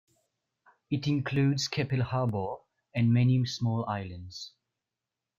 It includes Keppel Harbour and many small islands.